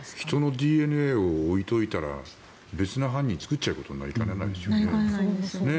人のＤＮＡを置いておいたら別な犯人を作っちゃうことになりかねないですよね。